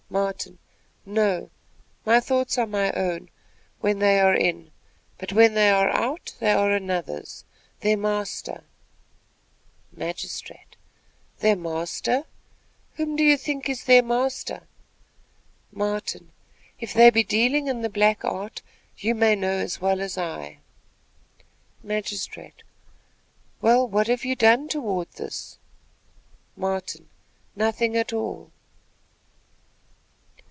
Martin. "No; my thoughts are my own, when they are in; but when they are out, they are another's. Their master " Magistrate. "Their master? Whom do you think is their master?" Martin. "If they be dealing in the black art, you may know as well as I." Magistrate. "Well, what have you done toward this?" Martin. "Nothing at all."